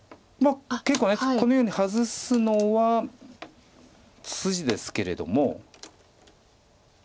まあ結構このようにハズすのは筋ですけれども。